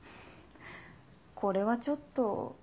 これはちょっと。